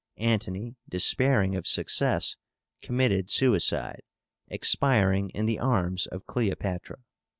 Antony, despairing of success, committed suicide, expiring in the arms of Cleopátra.